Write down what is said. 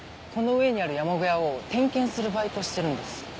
この上にある山小屋を点検するバイトしてるんです。